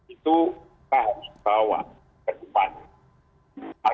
itu kita harus bawa ke depan